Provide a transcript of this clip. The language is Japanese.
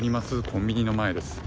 コンビニの前です。